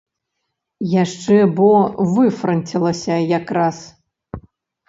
Яшчэ бо выфранцілася якраз!